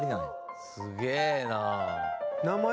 「すげえな！」